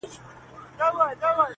o يوې خواته پاڼ دئ، بلي خواته پړانگ دئ!